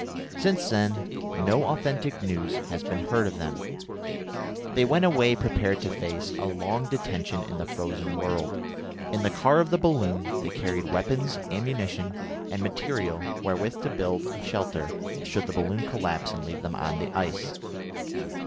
Since then no authentic news has been heard of them. They went away prepared to face a long detention in the frozen world. In the car of the balloon they carried weapons, ammunition, and material wherewith to build a shelter, should the balloon collapse and leave them on the ice.